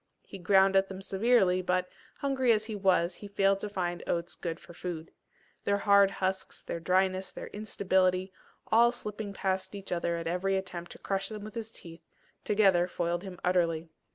He ground at them severely, but, hungry as he was, he failed to find oats good for food. Their hard husks, their dryness, their instability, all slipping past each other at every attempt to crush them with his teeth, together foiled him utterly.